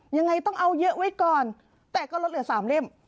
ยังไงต้องเอาเยอะไว้ก่อนแต่ก็ลดเหลือ๓เล่ม